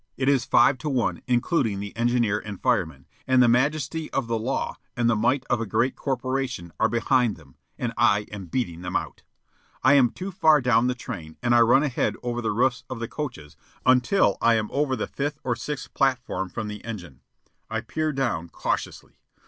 It is five to one, including the engineer and fireman, and the majesty of the law and the might of a great corporation are behind them, and I am beating them out. I am too far down the train, and I run ahead over the roofs of the coaches until I am over the fifth or sixth platform from the engine. I peer down cautiously.